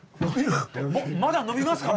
まだ伸びますか？